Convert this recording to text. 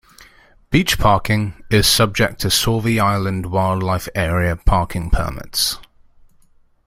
Beach parking is subject to Sauvie Island Wildlife Area parking permits.